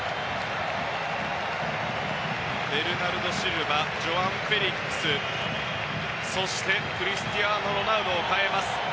ベルナルド・シウバジョアン・フェリックスそしてクリスティアーノ・ロナウドを代えます。